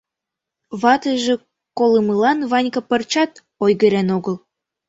Ватыже колымылан Ванька пырчат ойгырен огыл.